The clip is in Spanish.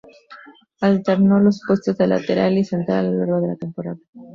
Alternó los puestos de lateral y central a lo largo de la temporada.